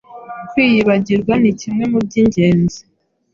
kwiyibagirwa ni kimwe mu by’ingenzi.